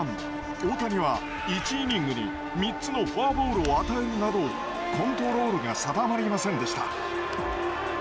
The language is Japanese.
大谷は１イニングに３つのフォアボールを与えるなどコントロールが定まりませんでした。